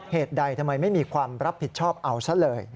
เหตุใดทำไมไม่มีความรับผิดชอบเอาซะเลย